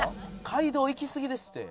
「街道行きすぎですって」